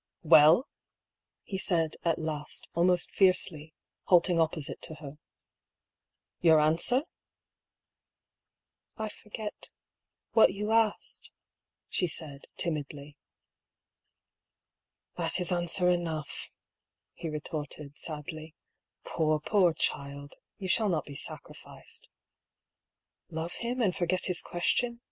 " Well ?" he said, at last, almost fiercely, halting op posite to her. " Your answer? "" I forget — what you asked," she said, timidly. " That is answer enough !" he retorted sadly. " Poor, poor child ! You shall not be sacrificed." (Love him, and forget his question